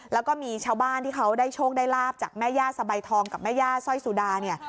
แล้วก็มีชาวบ้านที่เขาได้โชคได้ลาบจากแม่ย่าสบายทองกับแม่ย่าสร้อยสุดาเนี่ย